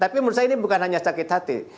tapi menurut saya ini bukan hanya sakit hati